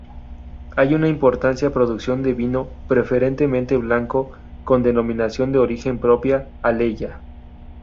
Hay una importante producción de vino, preferentemente blanco, con denominación de origen propia: Alella.